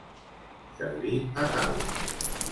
Servir a taula.